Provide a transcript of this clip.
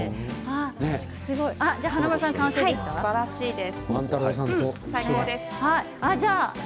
すばらしいです。